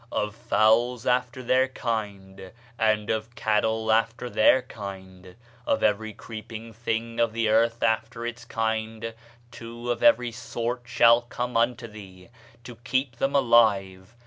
Of fowls after their kind, and of cattle after their kind, of every creeping thing of the earth after his kind; two of every sort shall come unto thee, to keep them alive.